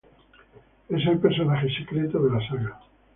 Es el "personaje secreto" de la saga.